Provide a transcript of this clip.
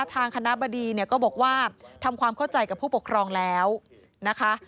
ทางคณะบดีเนี่ยก็บอกว่าทำความเข้าใจกับผู้ปกครองแล้วนะคะ